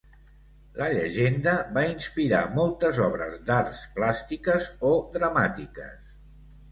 La llegenda va inspirar moltes obres d'arts plàstiques o dramàtiques.